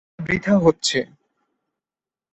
ওটা বৃথা হচ্ছে।